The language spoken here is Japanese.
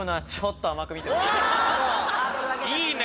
いいね！